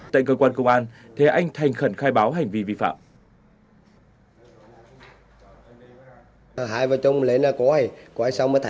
tại cơ quan công an thế anh thành khẩn khai báo hành vi vi phạm